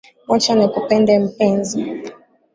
Wacha nikupende mpenzi